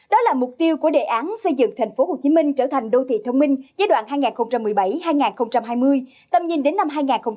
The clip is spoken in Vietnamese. đó là mục tiêu của đề án xây dựng thành phố hồ chí minh trở thành đô thị thông minh giai đoạn hai nghìn một mươi bảy hai nghìn hai mươi tầm nhìn đến năm hai nghìn hai mươi năm